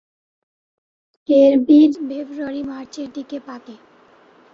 এর বীজ ফেব্রুয়ারি-মার্চের দিকে পাকে।